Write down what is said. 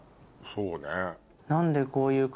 そうね。